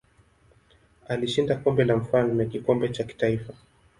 Alishinda Kombe la Mfalme kikombe cha kitaifa.